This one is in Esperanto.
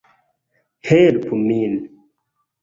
Helpu min